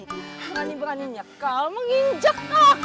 berani beraninya kau menginjak